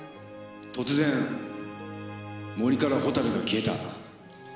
突然森からホタルが消えた。